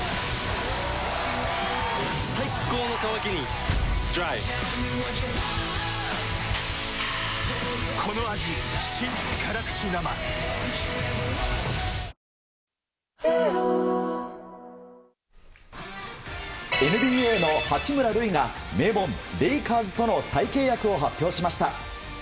最高の渇きにＤＲＹＮＢＡの八村塁が名門レイカーズとの再契約を発表しました。